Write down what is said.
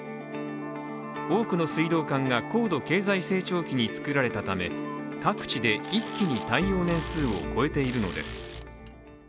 多くの水道管が高度経済成長期に作られたため各地で一気に耐用年数を超えているのです。